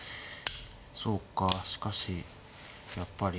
そうかしかしやっぱり。